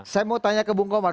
saya mau tanya ke bung komar